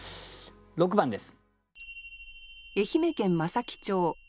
６番です。